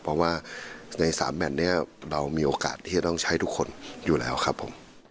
เพราะว่าใน๓แผ่นนี้เรามีโอกาสที่จะต้องใช้ทุกคนอยู่แล้วครับผม